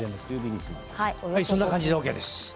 そんな感じでＯＫです。